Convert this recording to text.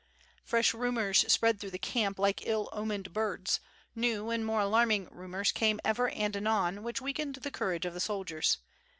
Fresh rumors spread through the camp like ill omened birds, new and more alarming rumors came ever and anon which weakened the courage of the soldiers.